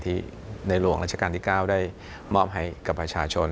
ในหลวงราชการที่๙ได้มอบให้กับประชาชน